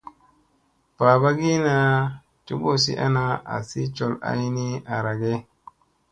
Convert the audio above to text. Babagina joɓozi ana azi col ay ni arage.